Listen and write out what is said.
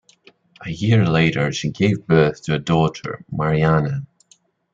A year later she gave birth to a daughter, Marianne.